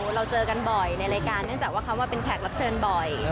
เราเจอกันบ่อยในรายการเนื่องจากว่าเขามาเป็นแขกรับเชิญบ่อย